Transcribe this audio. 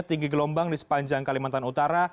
tinggi gelombang di sepanjang kalimantan utara